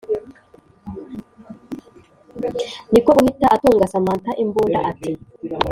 niko guhita atunga samantha imbunda ati”